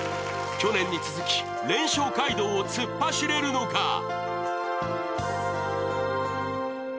去年に続き連勝街道を突っ走れるのか？